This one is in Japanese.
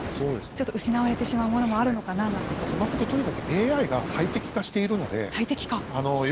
ちょっと失われてしまうものもスマホってとにかくＡＩが最適化しているので。